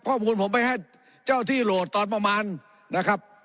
ข้อมูลผมไปให้เจ้าที่โหลดตอนประมาณนะครับ